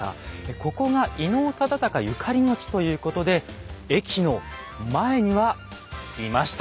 ここが伊能忠敬ゆかりの地ということで駅の前にはいました。